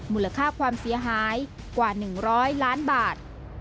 มูลค่าความเสียหายกว่า๑๐๐ล้านบาท